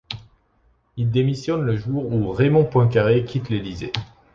Il démissionne le jour où Raymond Poincaré quitte l'Elysée.